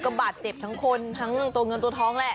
ก็บาดเจ็บทั้งคนทั้งเรื่องตัวเงินตัวท้องแหละ